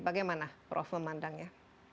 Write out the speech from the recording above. bagaimana prof memandangnya